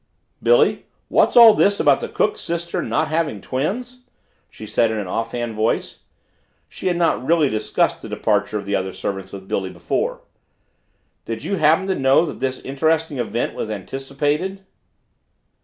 "Billy, what's all this about the cook's sister not having twins?" she said in an offhand voice. She had not really discussed the departure of the other servants with Billy before. "Did you happen to know that this interesting event was anticipated?"